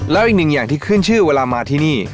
แล้วอีกหนึ่งอย่างที่ขึ้นชื่อเวลามาที่นี่